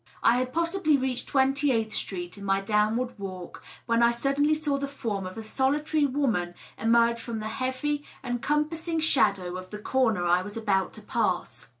I had pos sibly reached Twenty Eighth Street, in my downward walk, when I suddenly saw the form of a solitary woman emerge from the heavy encompassing shadow of the corner I was about to pass.